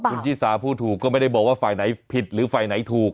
คุณชิสาพูดถูกก็ไม่ได้บอกว่าฝ่ายไหนผิดหรือฝ่ายไหนถูก